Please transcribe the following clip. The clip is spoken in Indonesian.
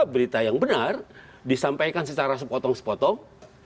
berita yang benar disampaikan secara sepotong sepotong